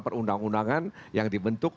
perundang undangan yang dibentuk